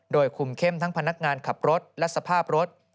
โดยคุมเข้มทั้งพนักงานขับรถและสภาพรถ